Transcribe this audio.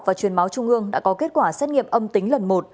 và truyền máu trung ương đã có kết quả xét nghiệm âm tính lần một